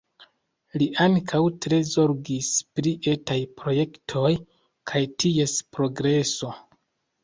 Li ankaŭ tre zorgis pri etaj projektoj kaj ties progreso.